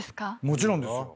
もちろんですよ。